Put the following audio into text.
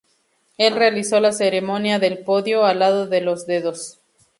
El realizó la ceremonia del podio al lado de los Dedos.